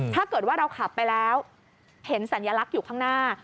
ถ้าเกิดว่าเราขับไปแล้วเห็นสัญลักษณ์อยู่ข้างหน้า